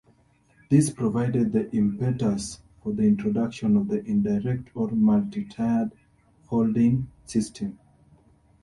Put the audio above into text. This provided the impetus for the introduction of the indirect or multi-tiered holding system.